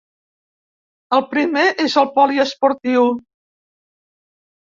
El primer és al poliesportiu.